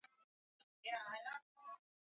uhusiano na kila mmoja hawaunda umati wa watu